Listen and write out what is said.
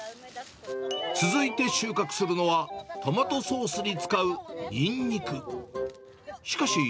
続いて収穫するのは、トマトソースに使うニンニク。